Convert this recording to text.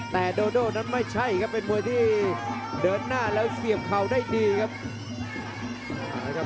แต่โดโดนั้นไม่ใช่ครับเป็นมวยที่เดินหน้าแล้วเสียบเข่าได้ดีครับ